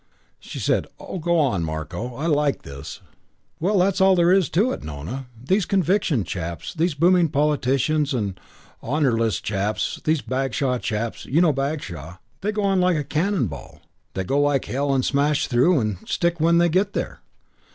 She said, "Go on, Marko. I like this." "Well, that's all there is to it, Nona. These conviction chaps, these booming politicians and honours list chaps, these Bagshaw chaps you know Bagshaw? they go like a cannon ball. They go like hell and smash through and stick when they get there.